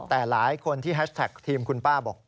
แต่หลายคนที่แฮชแท็กทีมคุณป้าบอก